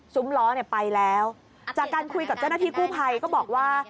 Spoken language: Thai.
ล้อเนี่ยไปแล้วจากการคุยกับเจ้าหน้าที่กู้ภัยก็บอกว่า